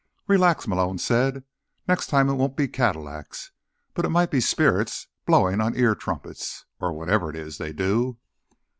"Relax," Malone said. "Next time it won't be Cadillacs. But it might be spirits, blowing on ear trumpets. Or whatever it is they do."